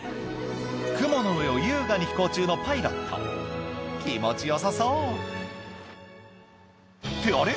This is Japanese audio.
雲の上を優雅に飛行中のパイロット気持ちよさそうってあれ？